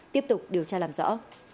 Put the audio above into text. tiếp tục điều tra làm rõ